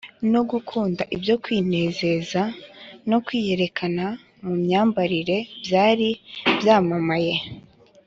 no gukunda ibyo kwinezeza no kwiyerekana mu myambarire byari byamamaye